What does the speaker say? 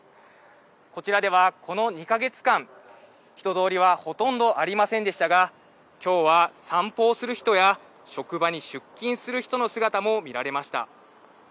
こちらではこの２か月間、人通りはほとんどありませんでしたが、きょうは散歩をする人や職場に出勤する人の姿も見られました。